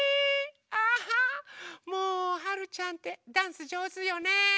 あもうはるちゃんってダンスじょうずよね。